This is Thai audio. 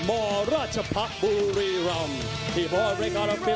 ล่าสุดชนะคะแนนชนะน็อคครับสิงค์พยักษ์สิงค์นวรรดิเอาไว้จากค่ายมวยเผ็ดสม่านครับ